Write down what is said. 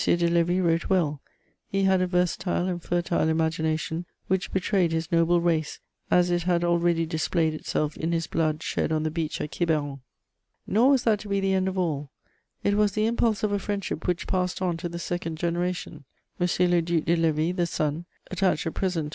de Lévis wrote well; he had a versatile and fertile imagination which betrayed his noble race, as it had already displayed itself in his blood shed on the beach at Quiberon. Nor was that to be the end of all: it was the impulse of a friendship which passed on to the second generation. M. le Duc de Lévis, the son, attached at present to M.